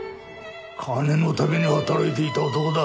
金のために働いていた男だ。